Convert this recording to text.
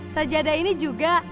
sajadah ini juga